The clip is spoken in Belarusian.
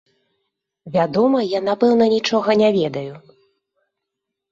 Вядома, я напэўна нічога не ведаю.